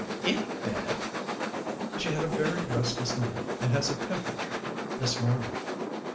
"In bed!" "She had a very restless night and has a temperature this morning."